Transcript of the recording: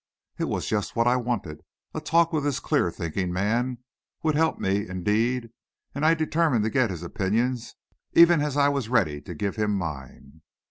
It was just what I wanted. A talk with this clear thinking man would help me, indeed, and I determined to get his opinions, even as I was ready to give him mine.